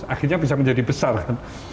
akhirnya bisa menjadi besar kan